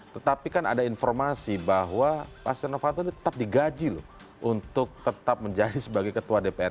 tetapi kan ada informasi bahwa pak stiano fanto tetap digaji loh untuk tetap menjadi sebagai ketua dpr